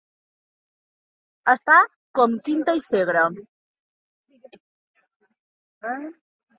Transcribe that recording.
Estar com Quinta i Segre.